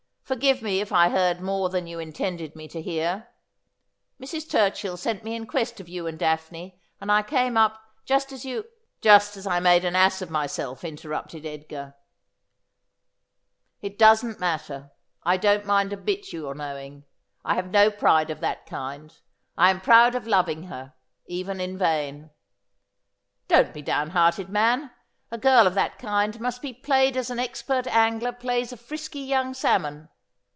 ' Forgive me if I heard more than you intended me to hear. Mrs. Turchill sent me in quest of you and Daphne, and I came up — just as you —'' J ust as I made an ass of myself,' interrupted Edgar. ' It ^ Not for your Linage, ne for your Michesse.' 165 doesn't matter. I don't a bit mind your knowing. I have no pride of that kind. I am proud of loving her, even in vain.' ' Don't be down hearted, man. A girl of that kind must be played as an expert angler plays a frisky young salmon.